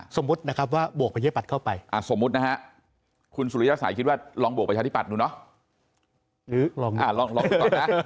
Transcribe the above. สมมุตินะครับว่าบวกประชาบัตรเข้าไปสมมุตินะฮะคุณสุริยสัยคิดว่าลองบวกประชาธิบัตย์ดูเนาะ